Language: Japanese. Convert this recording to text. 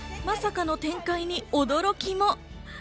まさかの展開に驚きも。